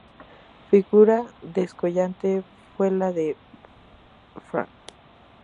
Figura descollante fue la de Fr.